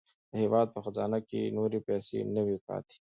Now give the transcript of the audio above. د هېواد په خزانې کې نورې پیسې نه وې پاتې.